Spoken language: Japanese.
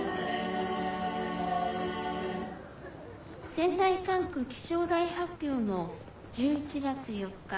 「仙台管区気象台発表の１１月４日午後３時現在の」。